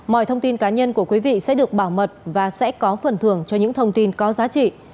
mọi thông tin cá nhân của quý vị sẽ được bảo mật và sẽ có phần thưởng cho những thông tin có giá trị